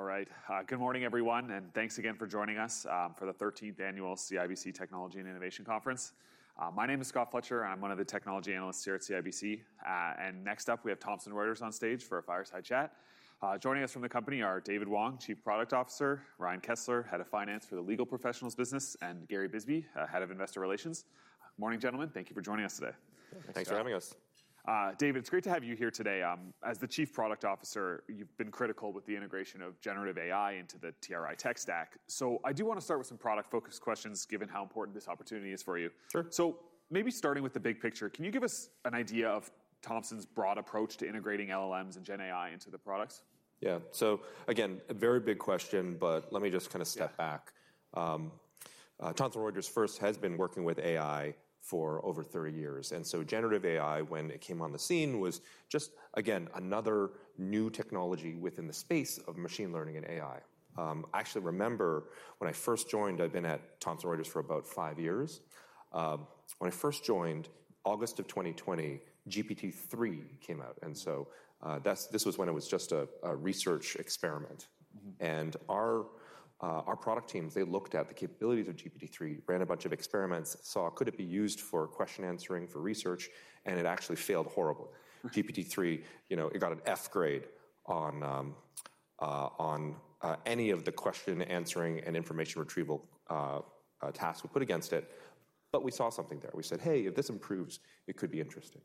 All right. Good morning, everyone, and thanks again for joining us for the 13th annual CIBC Technology and Innovation Conference. My name is Scott Fletcher, and I'm one of the technology analysts here at CIBC. Next up, we have Thomson Reuters on stage for a fireside chat. Joining us from the company are David Wong, Chief Product Officer, Ryan Kessler, Head of Finance for the Legal Professionals business, and Gary Bisbee, Head of Investor Relations. Morning, gentlemen. Thank you for joining us today. Thanks for having us. David, it's great to have you here today. As the Chief Product Officer, you've been critical with the integration of generative AI into the TRI tech stack. I do want to start with some product-focused questions, given how important this opportunity is for you. Sure. Maybe starting with the big picture, can you give us an idea of Thomson's broad approach to integrating LLMs and Gen AI into the products? Yeah. Again, a very big question, but let me just kind of step back. Thomson Reuters first has been working with AI for over 30 years. Generative AI, when it came on the scene, was just, again, another new technology within the space of machine learning and AI. I actually remember when I first joined, I've been at Thomson Reuters for about five years. When I first joined, August of 2020, GPT-3 came out. This was when it was just a research experiment. Our product teams, they looked at the capabilities of GPT-3, ran a bunch of experiments, saw, could it be used for question answering for research, and it actually failed horribly. GPT-3, you know, it got an F grade on any of the question answering and information retrieval tasks we put against it. We saw something there. We said, hey, if this improves, it could be interesting.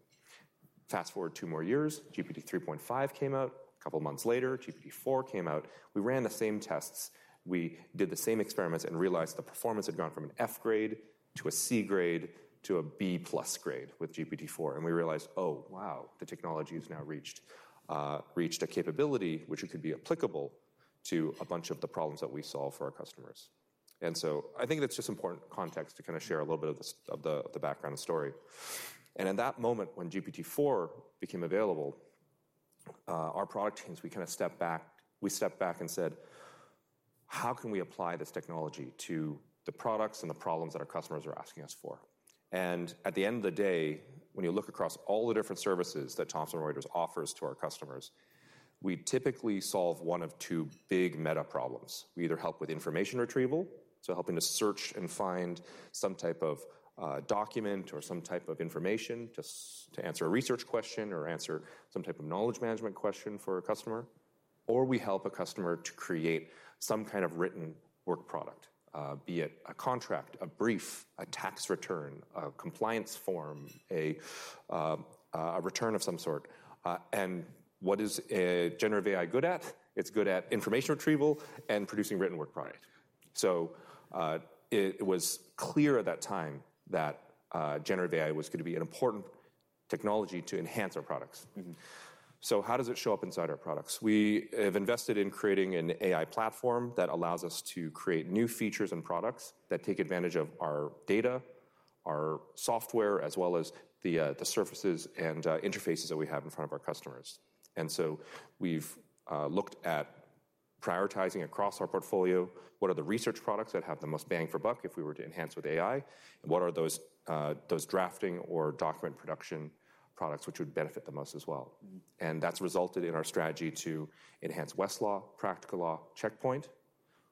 Fast forward two more years, GPT-3.5 came out. A couple of months later, GPT-4 came out. We ran the same tests. We did the same experiments and realized the performance had gone from an F grade to a C grade to a B+ grade with GPT-4. We realized, oh, wow, the technology has now reached a capability which could be applicable to a bunch of the problems that we solve for our customers. I think that's just important context to kind of share a little bit of the background story. At that moment, when GPT-4 became available, our product teams, we kind of stepped back. We stepped back and said, how can we apply this technology to the products and the problems that our customers are asking us for? At the end of the day, when you look across all the different services that Thomson Reuters offers to our customers, we typically solve one of two big meta problems. We either help with information retrieval, so helping to search and find some type of document or some type of information just to answer a research question or answer some type of knowledge management question for a customer, or we help a customer to create some kind of written work product, be it a contract, a brief, a tax return, a compliance form, a return of some sort. What is generative AI good at? It's good at information retrieval and producing written work products. It was clear at that time that generative AI was going to be an important technology to enhance our products. How does it show up inside our products? We have invested in creating an AI platform that allows us to create new features and products that take advantage of our data, our software, as well as the surfaces and interfaces that we have in front of our customers. We have looked at prioritizing across our portfolio. What are the research products that have the most bang for buck if we were to enhance with AI? What are those drafting or document production products which would benefit the most as well? That has resulted in our strategy to enhance Westlaw, Practical Law, Checkpoint,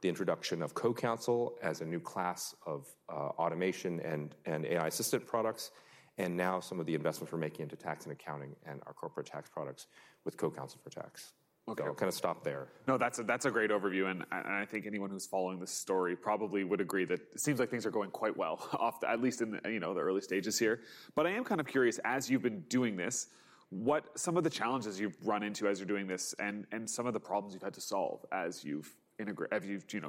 the introduction of CoCounsel as a new class of automation and AI-assisted products, and now some of the investments we are making into tax and accounting and our corporate tax products with CoCounsel for Tax. I will kind of stop there. No, that's a great overview. I think anyone who's following this story probably would agree that it seems like things are going quite well, at least in the early stages here. I am kind of curious, as you've been doing this, what are some of the challenges you've run into as you're doing this and some of the problems you've had to solve as you've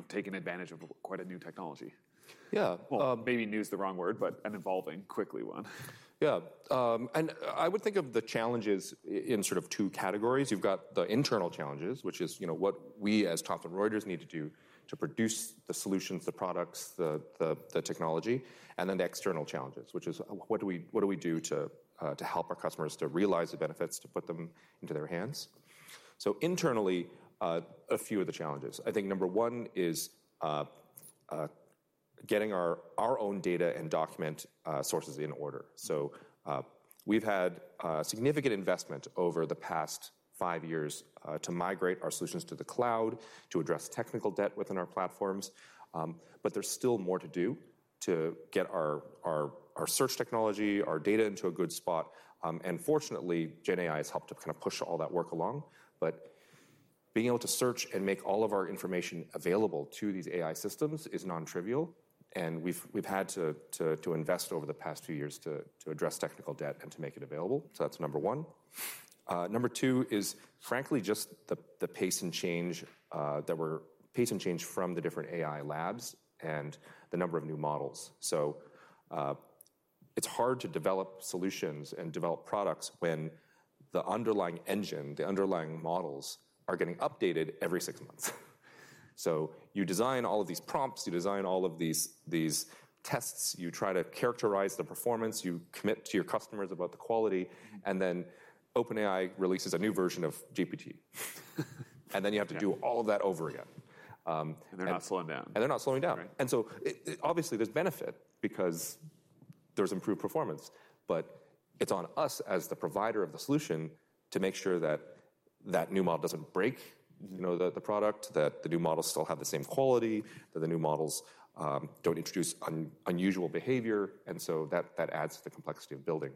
taken advantage of quite a new technology? Yeah. Maybe new is the wrong word, but an evolving quickly one. Yeah. I would think of the challenges in sort of two categories. You have got the internal challenges, which is what we as Thomson Reuters need to do to produce the solutions, the products, the technology, and then the external challenges, which is what do we do to help our customers to realize the benefits, to put them into their hands? Internally, a few of the challenges. I think number one is getting our own data and document sources in order. We have had significant investment over the past five years to migrate our solutions to the cloud, to address technical debt within our platforms. There is still more to do to get our search technology, our data into a good spot. Fortunately, Gen AI has helped to kind of push all that work along. Being able to search and make all of our information available to these AI systems is non-trivial. We have had to invest over the past few years to address technical debt and to make it available. That is number one. Number two is, frankly, just the pace and change that we are seeing from the different AI labs and the number of new models. It is hard to develop solutions and develop products when the underlying engine, the underlying models, are getting updated every six months. You design all of these prompts, you design all of these tests, you try to characterize the performance, you commit to your customers about the quality, and then OpenAI releases a new version of GPT. You have to do all of that over again. They're not slowing down. They're not slowing down. Obviously, there's benefit because there's improved performance. It is on us as the provider of the solution to make sure that that new model does not break the product, that the new models still have the same quality, that the new models do not introduce unusual behavior. That adds to the complexity of building.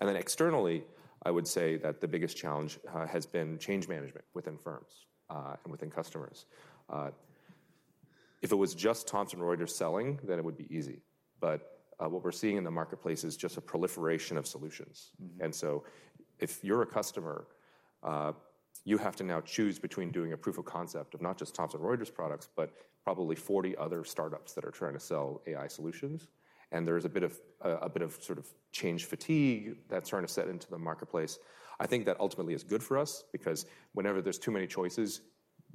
Externally, I would say that the biggest challenge has been change management within firms and within customers. If it was just Thomson Reuters selling, it would be easy. What we're seeing in the marketplace is just a proliferation of solutions. If you're a customer, you have to now choose between doing a proof of concept of not just Thomson Reuters products, but probably 40 other startups that are trying to sell AI solutions. There is a bit of sort of change fatigue that is trying to set into the marketplace. I think that ultimately is good for us because whenever there are too many choices,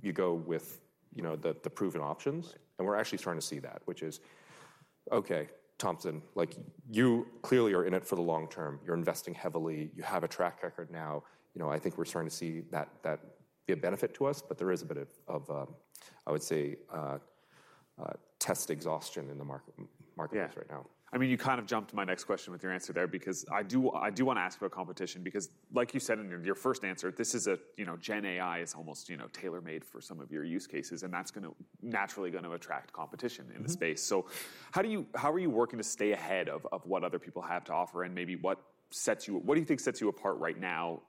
you go with the proven options. We are actually starting to see that, which is, OK, Thomson Reuters, you clearly are in it for the long term. You are investing heavily. You have a track record now. I think we are starting to see that be a benefit to us. There is a bit of, I would say, test exhaustion in the marketplace right now. Yeah. I mean, you kind of jumped to my next question with your answer there because I do want to ask about competition because, like you said in your first answer, this is a Gen AI is almost tailor-made for some of your use cases. And that's naturally going to attract competition in the space. How are you working to stay ahead of what other people have to offer? Maybe what sets you, what do you think sets you apart right now,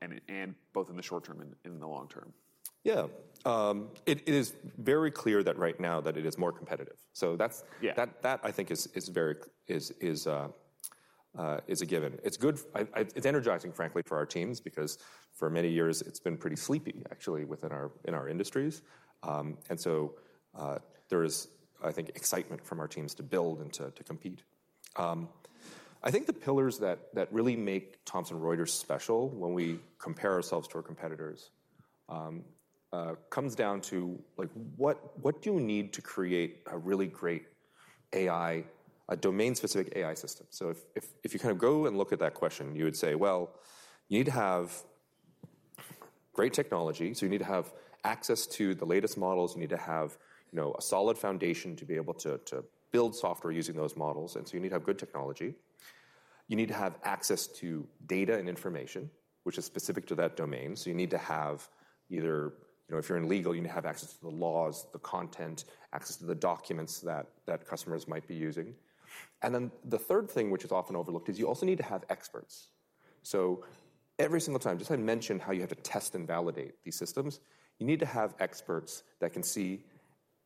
both in the short term and in the long term? Yeah. It is very clear that right now that it is more competitive. That, I think, is a given. It's good. It's energizing, frankly, for our teams because for many years, it's been pretty sleepy, actually, within our industries. There is, I think, excitement from our teams to build and to compete. I think the pillars that really make Thomson Reuters special when we compare ourselves to our competitors comes down to what do you need to create a really great AI, a domain-specific AI system? If you kind of go and look at that question, you would say, well, you need to have great technology. You need to have access to the latest models. You need to have a solid foundation to be able to build software using those models. You need to have good technology. You need to have access to data and information, which is specific to that domain. You need to have either, if you're in legal, you need to have access to the laws, the content, access to the documents that customers might be using. The third thing, which is often overlooked, is you also need to have experts. Every single time, just I mentioned how you have to test and validate these systems, you need to have experts that can see,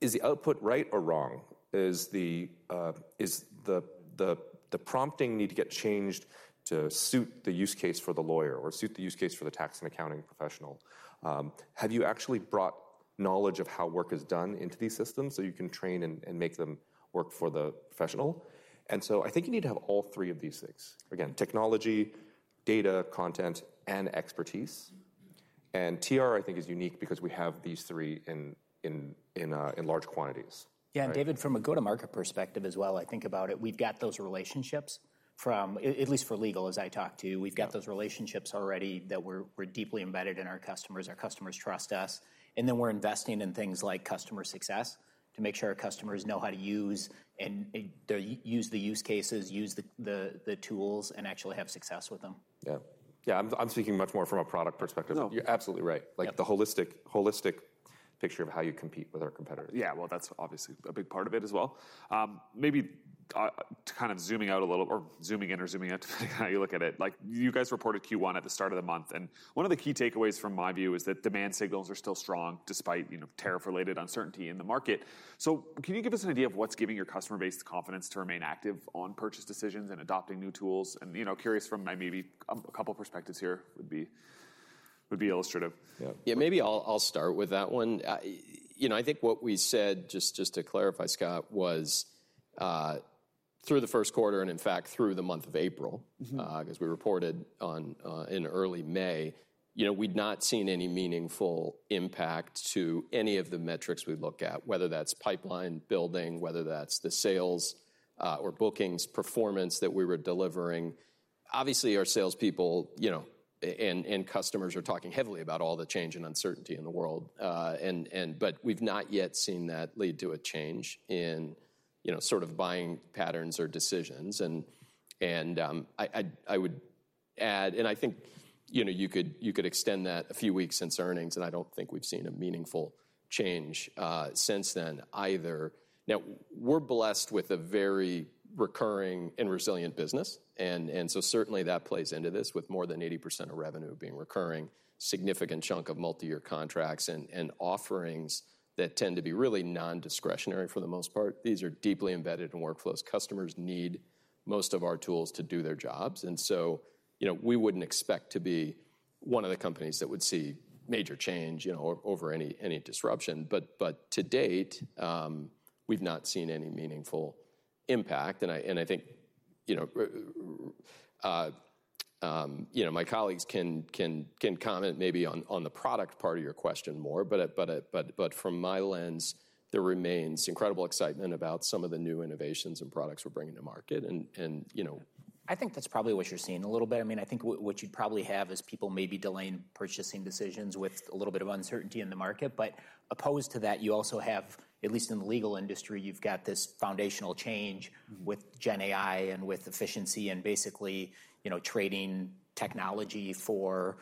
is the output right or wrong? Does the prompting need to get changed to suit the use case for the lawyer or suit the use case for the tax and accounting professional? Have you actually brought knowledge of how work is done into these systems so you can train and make them work for the professional? I think you need to have all three of these things. Again, technology, data, content, and expertise. TR, I think, is unique because we have these three in large quantities. Yeah. David, from a go-to-market perspective as well, I think about it. We've got those relationships from, at least for legal, as I talk to you, we've got those relationships already that we're deeply embedded in our customers. Our customers trust us. We're investing in things like customer success to make sure our customers know how to use and use the use cases, use the tools, and actually have success with them. Yeah. Yeah. I'm speaking much more from a product perspective. You're absolutely right. Like the holistic picture of how you compete with our competitors. Yeah. That's obviously a big part of it as well. Maybe kind of zooming out a little or zooming in or zooming out depending on how you look at it. You guys reported Q1 at the start of the month. One of the key takeaways from my view is that demand signals are still strong despite tariff-related uncertainty in the market. Can you give us an idea of what's giving your customer base the confidence to remain active on purchase decisions and adopting new tools? Curious from maybe a couple of perspectives here would be illustrative. Yeah. Maybe I'll start with that one. I think what we said, just to clarify, Scott, was through the first quarter and in fact, through the month of April, as we reported in early May, we'd not seen any meaningful impact to any of the metrics we look at, whether that's pipeline building, whether that's the sales or bookings performance that we were delivering. Obviously, our salespeople and customers are talking heavily about all the change and uncertainty in the world. We've not yet seen that lead to a change in sort of buying patterns or decisions. I would add, and I think you could extend that a few weeks since earnings, I don't think we've seen a meaningful change since then either. Now, we're blessed with a very recurring and resilient business. Certainly that plays into this with more than 80% of revenue being recurring, a significant chunk of multi-year contracts and offerings that tend to be really non-discretionary for the most part. These are deeply embedded in workflows. Customers need most of our tools to do their jobs. We would not expect to be one of the companies that would see major change over any disruption. To date, we have not seen any meaningful impact. I think my colleagues can comment maybe on the product part of your question more. From my lens, there remains incredible excitement about some of the new innovations and products we are bringing to market. I think that's probably what you're seeing a little bit. I mean, I think what you'd probably have is people maybe delaying purchasing decisions with a little bit of uncertainty in the market. Opposed to that, you also have, at least in the legal industry, you've got this foundational change with Gen AI and with efficiency and basically trading technology for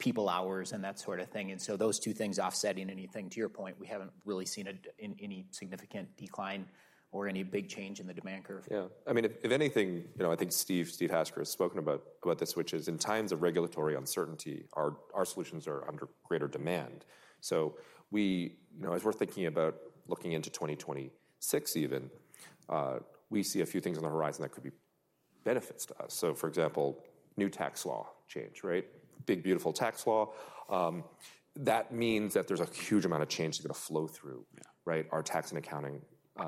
people hours and that sort of thing. Those two things are offsetting anything. To your point, we haven't really seen any significant decline or any big change in the demand curve. Yeah. I mean, if anything, I think Steve Hasker has spoken about this, which is in times of regulatory uncertainty, our solutions are under greater demand. As we're thinking about looking into 2026 even, we see a few things on the horizon that could be benefits to us. For example, new tax law change, right? Big, beautiful tax law. That means that there's a huge amount of change that's going to flow through our tax and accounting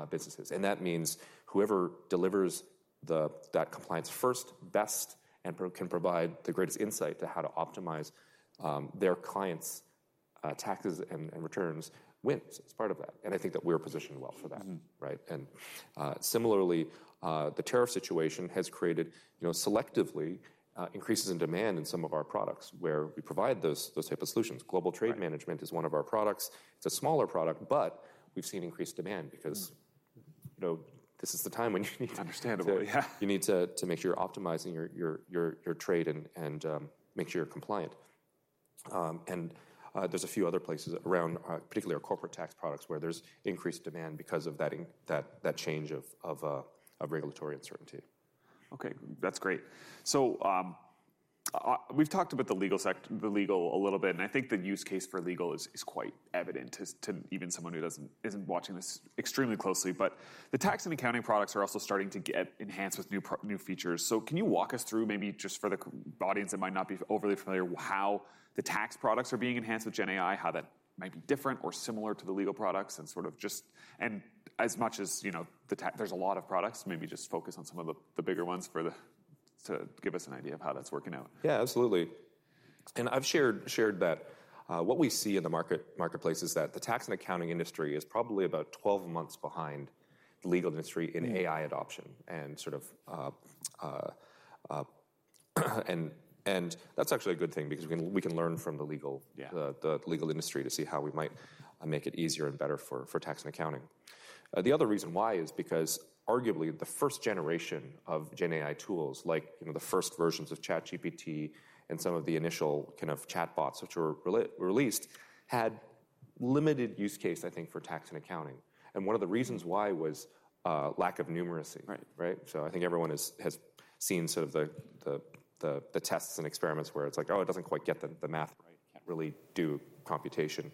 businesses. That means whoever delivers that compliance first, best, and can provide the greatest insight to how to optimize their clients' taxes and returns wins. It's part of that. I think that we're positioned well for that. Similarly, the tariff situation has created selectively increases in demand in some of our products where we provide those types of solutions. Global Trade Management is one of our products. It's a smaller product, but we've seen increased demand because this is the time when you need to. Understandably. Yeah. You need to make sure you're optimizing your trade and make sure you're compliant. There's a few other places around, particularly our corporate tax products, where there's increased demand because of that change of regulatory uncertainty. OK. That's great. We've talked about the legal a little bit. I think the use case for legal is quite evident to even someone who isn't watching this extremely closely. The tax and accounting products are also starting to get enhanced with new features. Can you walk us through, maybe just for the audience that might not be overly familiar, how the tax products are being enhanced with Gen AI, how that might be different or similar to the legal products, and as much as there's a lot of products, maybe just focus on some of the bigger ones to give us an idea of how that's working out. Yeah, absolutely. I've shared that what we see in the marketplace is that the tax and accounting industry is probably about 12 months behind the legal industry in AI adoption. That's actually a good thing because we can learn from the legal industry to see how we might make it easier and better for tax and accounting. The other reason why is because arguably the first generation of Gen AI tools, like the first versions of ChatGPT and some of the initial kind of chatbots, which were released, had limited use case, I think, for tax and accounting. One of the reasons why was lack of numeracy. I think everyone has seen sort of the tests and experiments where it's like, oh, it doesn't quite get the math. It can't really do computation.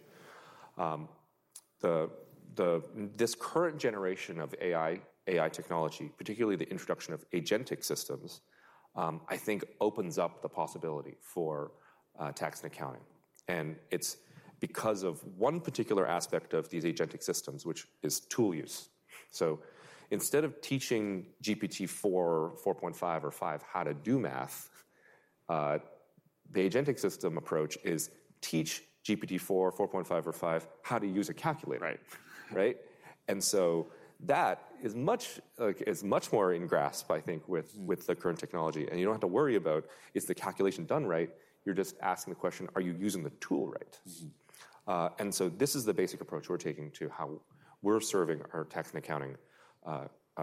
This current generation of AI technology, particularly the introduction of agentic systems, I think opens up the possibility for tax and accounting. It is because of one particular aspect of these agentic systems, which is tool use. Instead of teaching GPT-4, 4.5, or 5 how to do math, the agentic system approach is teach GPT-4, 4.5, or 5 how to use a calculator. That is much more in grasp, I think, with the current technology. You do not have to worry about, is the calculation done right? You are just asking the question, are you using the tool right? This is the basic approach we are taking to how we are serving our tax and accounting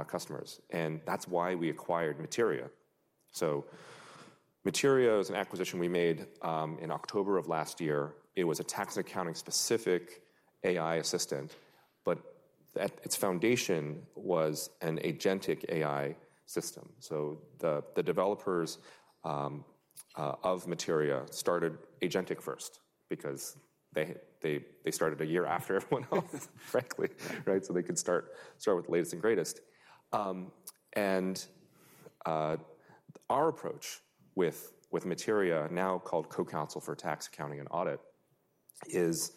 customers. That is why we acquired Materia. Materia is an acquisition we made in October of last year. It was a tax and accounting-specific AI assistant. Its foundation was an agentic AI system. The developers of Materia started agentic first because they started a year after everyone else, frankly, so they could start with the latest and greatest. Our approach with Materia, now called CoCounsel for Tax, Accounting, and Audit, is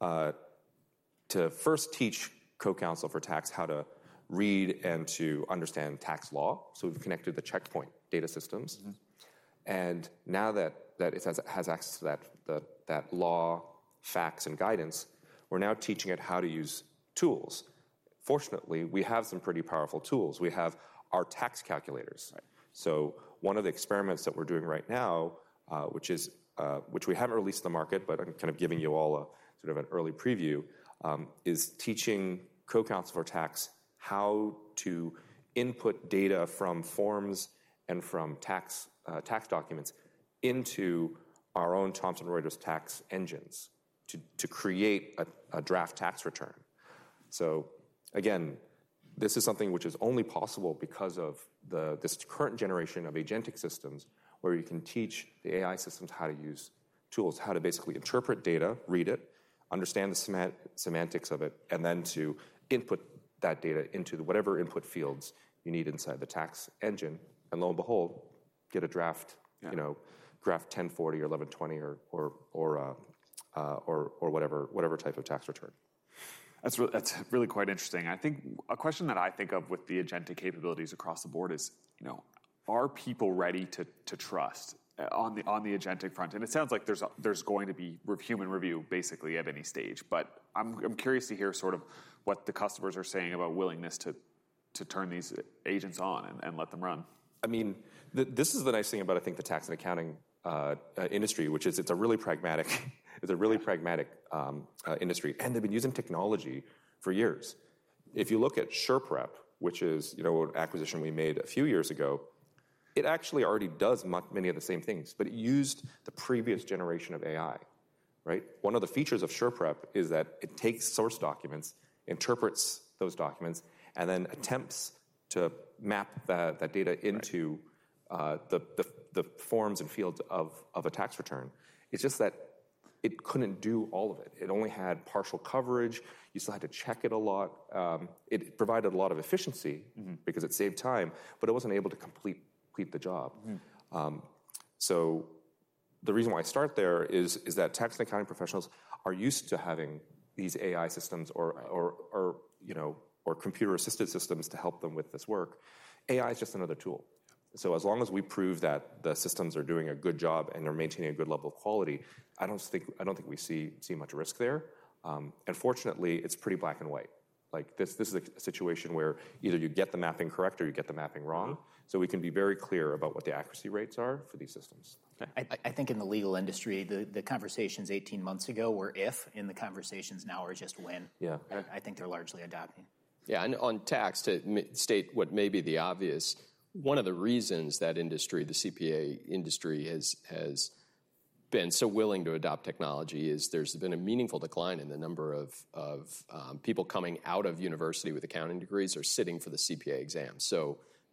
to first teach CoCounsel for Tax how to read and to understand tax law. We have connected the Checkpoint data systems. Now that it has access to that law, facts, and guidance, we are now teaching it how to use tools. Fortunately, we have some pretty powerful tools. We have our tax calculators. One of the experiments that we're doing right now, which we haven't released to the market, but I'm kind of giving you all sort of an early preview, is teaching CoCounsel for Tax how to input data from forms and from tax documents into our own Thomson Reuters tax engines to create a draft tax return. Again, this is something which is only possible because of this current generation of agentic systems where you can teach the AI systems how to use tools, how to basically interpret data, read it, understand the semantics of it, and then to input that data into whatever input fields you need inside the tax engine, and lo and behold, get a draft 1040 or 1120 or whatever type of tax return. That's really quite interesting. I think a question that I think of with the agentic capabilities across the board is, are people ready to trust on the agentic front? It sounds like there's going to be human review basically at any stage. I'm curious to hear sort of what the customers are saying about willingness to turn these agents on and let them run. I mean, this is the nice thing about, I think, the tax and accounting industry, which is it's a really pragmatic industry. And they've been using technology for years. If you look at SurePrep, which is an acquisition we made a few years ago, it actually already does many of the same things. But it used the previous generation of AI. One of the features of SurePrep is that it takes source documents, interprets those documents, and then attempts to map that data into the forms and fields of a tax return. It's just that it couldn't do all of it. It only had partial coverage. You still had to check it a lot. It provided a lot of efficiency because it saved time, but it wasn't able to complete the job. The reason why I start there is that tax and accounting professionals are used to having these AI systems or computer-assisted systems to help them with this work. AI is just another tool. As long as we prove that the systems are doing a good job and are maintaining a good level of quality, I do not think we see much risk there. Fortunately, it is pretty black and white. This is a situation where either you get the mapping correct or you get the mapping wrong. We can be very clear about what the accuracy rates are for these systems. I think in the legal industry, the conversations 18 months ago were if. The conversations now are just when. I think they're largely adopting. Yeah. On tax, to state what may be the obvious, one of the reasons that industry, the CPA industry, has been so willing to adopt technology is there's been a meaningful decline in the number of people coming out of university with accounting degrees or sitting for the CPA exam.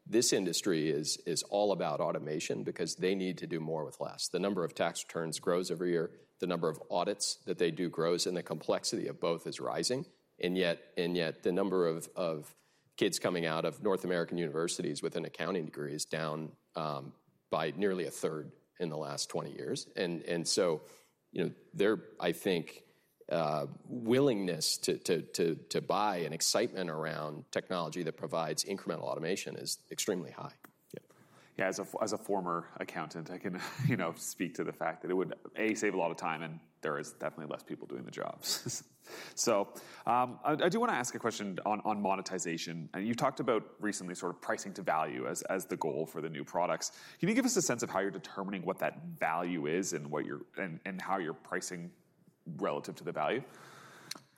This industry is all about automation because they need to do more with less. The number of tax returns grows every year. The number of audits that they do grows. The complexity of both is rising. Yet the number of kids coming out of North American universities with an accounting degree is down by nearly a third in the last 20 years. Their, I think, willingness to buy and excitement around technology that provides incremental automation is extremely high. Yeah. As a former accountant, I can speak to the fact that it would, A, save a lot of time, and there is definitely less people doing the jobs. I do want to ask a question on monetization. You've talked about recently sort of pricing to value as the goal for the new products. Can you give us a sense of how you're determining what that value is and how you're pricing relative to the value?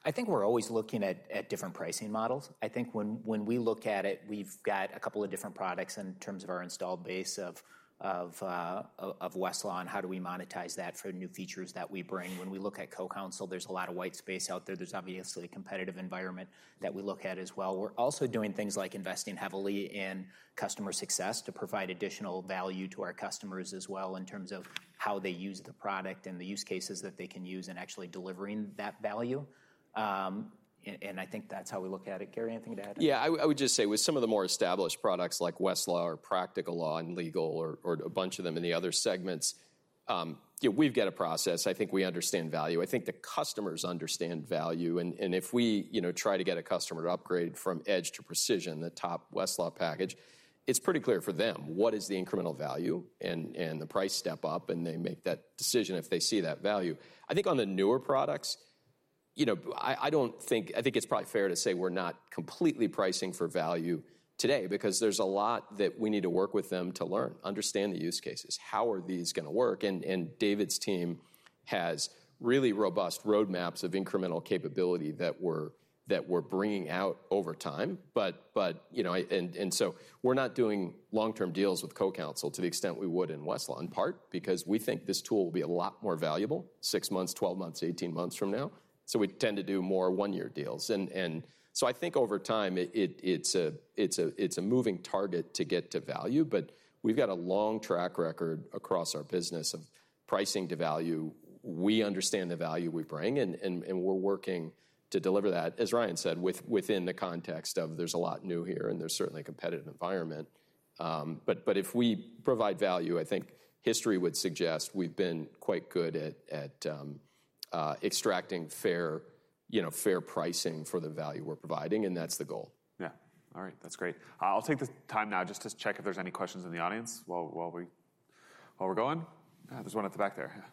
I think we're always looking at different pricing models. I think when we look at it, we've got a couple of different products in terms of our installed base of Westlaw and how do we monetize that for new features that we bring. When we look at CoCounsel, there's a lot of white space out there. There's obviously a competitive environment that we look at as well. We're also doing things like investing heavily in customer success to provide additional value to our customers as well in terms of how they use the product and the use cases that they can use in actually delivering that value. I think that's how we look at it. Gary, anything to add? Yeah. I would just say with some of the more established products like Westlaw or Practical Law and Legal or a bunch of them in the other segments, we've got a process. I think we understand value. I think the customers understand value. If we try to get a customer to upgrade from edge to precision, the top Westlaw package, it's pretty clear for them what is the incremental value. The price step up, and they make that decision if they see that value. I think on the newer products, I think it's probably fair to say we're not completely pricing for value today because there's a lot that we need to work with them to learn, understand the use cases. How are these going to work? David's team has really robust roadmaps of incremental capability that we're bringing out over time. We're not doing long-term deals with CoCounsel to the extent we would in Westlaw, in part because we think this tool will be a lot more valuable 6 months, 12 months, 18 months from now. We tend to do more one-year deals. I think over time, it's a moving target to get to value. We've got a long track record across our business of pricing to value. We understand the value we bring. We're working to deliver that, as Ryan said, within the context of there's a lot new here, and there's certainly a competitive environment. If we provide value, I think history would suggest we've been quite good at extracting fair pricing for the value we're providing. That's the goal. Yeah. All right. That's great. I'll take the time now just to check if there's any questions in the audience while we're going. There's one at the back there.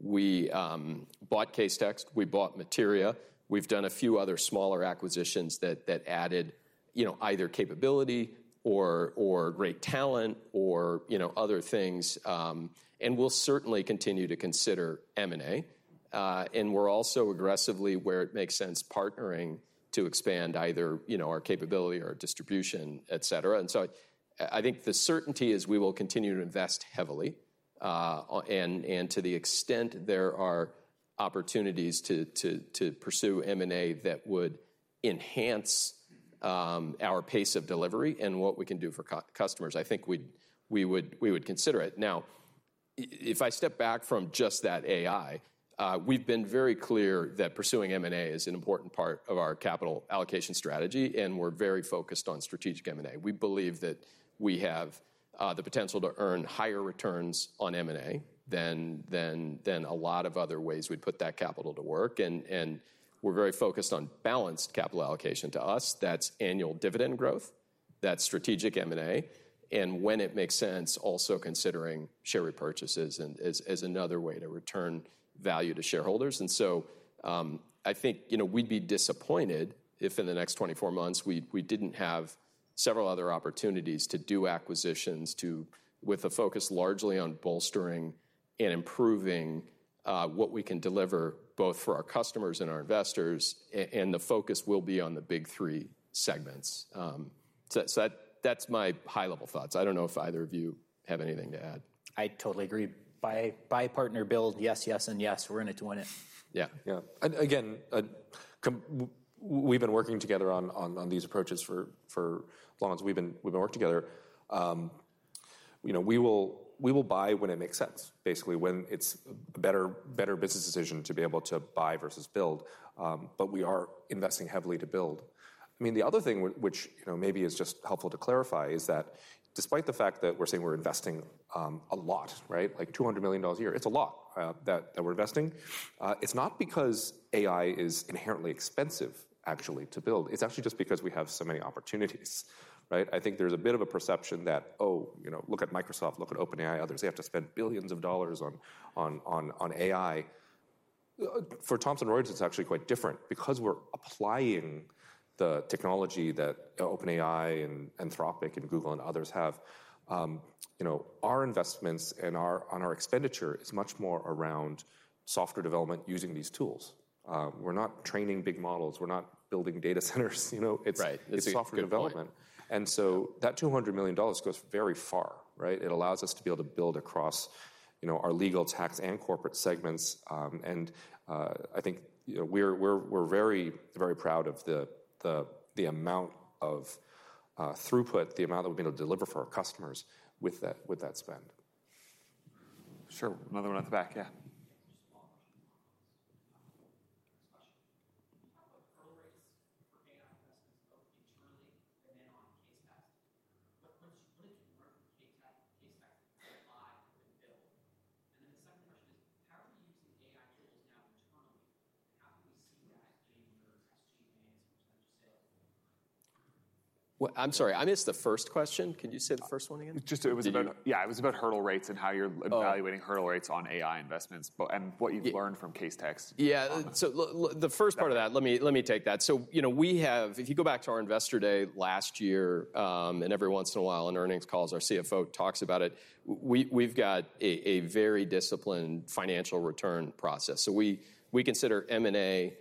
We bought CaseText. We bought Materia. We have done a few other smaller acquisitions that added either capability or great talent or other things. We will certainly continue to consider M&A. We are also aggressively, where it makes sense, partnering to expand either our capability or distribution, et cetera. I think the certainty is we will continue to invest heavily. To the extent there are opportunities to pursue M&A that would enhance our pace of delivery and what we can do for customers, I think we would consider it. If I step back from just that AI, we've been very clear that pursuing M&A is an important part of our capital allocation strategy. We're very focused on strategic M&A. We believe that we have the potential to earn higher returns on M&A than a lot of other ways we'd put that capital to work. We're very focused on balanced capital allocation to us. That's annual dividend growth. That's strategic M&A. When it makes sense, also considering share repurchases as another way to return value to shareholders. I think we'd be disappointed if in the next 24 months we didn't have several other opportunities to do acquisitions with a focus largely on bolstering and improving what we can deliver both for our customers and our investors. The focus will be on the big three segments. That's my high-level thoughts. I don't know if either of you have anything to add. I totally agree. Buy, partner, build, yes, yes, and yes. We're in it to win it. Yeah. Yeah. Again, we've been working together on these approaches for as long as we've been working together. We will buy when it makes sense, basically when it's a better business decision to be able to buy versus build. We are investing heavily to build. I mean, the other thing which maybe is just helpful to clarify is that despite the fact that we're saying we're investing a lot, like $200 million a year, it's a lot that we're investing. It's not because AI is inherently expensive, actually, to build. It's actually just because we have so many opportunities. I think there's a bit of a perception that, oh, look at Microsoft, look at OpenAI, others. They have to spend billions of dollars on AI. For Thomson Reuters, it's actually quite different. Because we're applying the technology that OpenAI and Anthropic and Google and others have, our investments and our expenditure is much more around software development using these tools. We're not training big models. We're not building data centers. It's software development. That $200 million goes very far. It allows us to be able to build across our legal, tax, and corporate segments. I think we're very, very proud of the amount of throughput, the amount that we've been able to deliver for our customers with that spend. Sure. Another one at the back. Yeah. Question. How about the pro rates for AI investments both internally and then on CaseText? What did you learn from CaseText that you applied and then built? The second question is, how are you using AI tools now internally? How can we see that in your tax and GPA as you said? I'm sorry. I missed the first question. Can you say the first one again? Just it was about. Yeah. It was about hurdle rates and how you're evaluating hurdle rates on AI investments and what you've learned from CaseText. Yeah. The first part of that, let me take that. If you go back to our investor day last year, and every once in a while on earnings calls, our CFO talks about it, we've got a very disciplined financial return process. We consider M&A,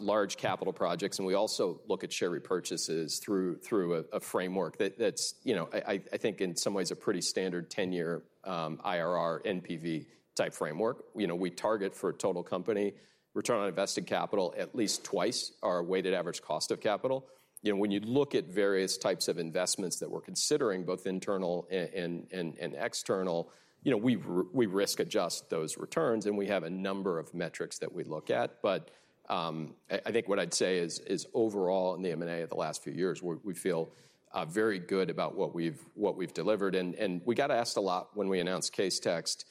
large capital projects. We also look at share repurchases through a framework that's, I think, in some ways a pretty standard 10-year IRR, NPV type framework. We target for a total company return on invested capital at least twice our weighted average cost of capital. When you look at various types of investments that we're considering, both internal and external, we risk adjust those returns. We have a number of metrics that we look at. I think what I'd say is overall in the M&A of the last few years, we feel very good about what we've delivered. We got asked a lot when we announced CaseText,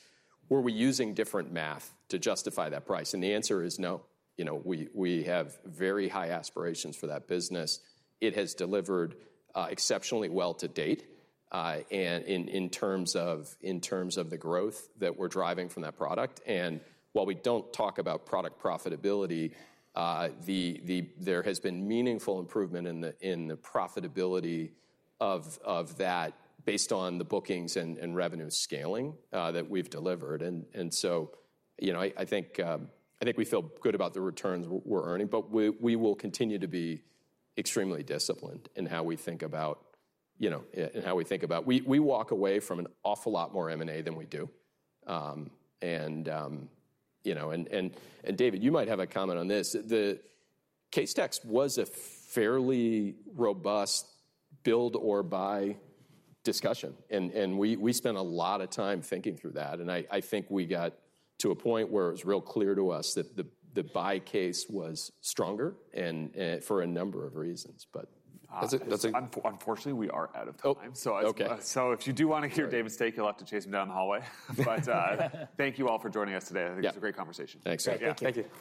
were we using different math to justify that price? The answer is no. We have very high aspirations for that business. It has delivered exceptionally well to date in terms of the growth that we're driving from that product. While we don't talk about product profitability, there has been meaningful improvement in the profitability of that based on the bookings and revenue scaling that we've delivered. I think we feel good about the returns we're earning. We will continue to be extremely disciplined in how we think about, in how we think about. We walk away from an awful lot more M&A than we do. David, you might have a comment on this. CaseText was a fairly robust build or buy discussion. We spent a lot of time thinking through that. I think we got to a point where it was real clear to us that the buy case was stronger for a number of reasons. Unfortunately, we are out of time. If you do want to hear David's take, you'll have to chase him down the hallway. Thank you all for joining us today. I think it was a great conversation. Thanks. Thank you.